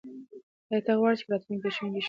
آیا ته غواړې چې په راتلونکي کې ښوونکی شې؟